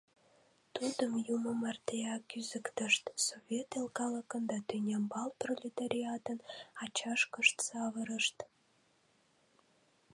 Тудым Юмо мартеак кӱзыктышт, совет эл калыкын да тӱнямбал пролетариатын ачашкышт савырышт.